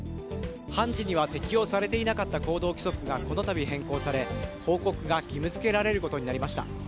判事には適用されていなかった行動規則がこの度、変更され、報告が義務付けられることになりました。